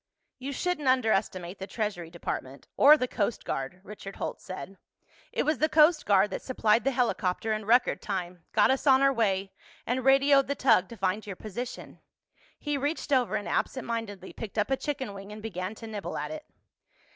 "You shouldn't underestimate the Treasury Department—or the Coast Guard," Richard Holt said. "It was the Coast Guard that supplied the helicopter in record time, got us on our way, and radioed the tug to find your position." He reached over and absent mindedly picked up a chicken wing and began to nibble at it.